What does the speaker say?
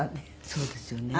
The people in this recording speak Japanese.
そうですよね。